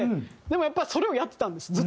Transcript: でもやっぱそれをやってたんですずっと。